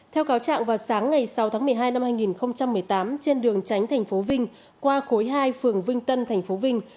theo cáo trạng vào sáng ngày sáu tháng một mươi hai năm hai nghìn một mươi tám trên đường tránh thành phố vinh qua khối hai phường vinh tân tp vinh